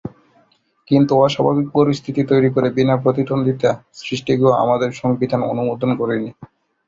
কিন্তু অস্বাভাবিক পরিস্থিতি তৈরি করে বিনা প্রতিদ্বন্দ্বিতা সৃষ্টিকেও আমাদের সংবিধান অনুমোদন করেনি।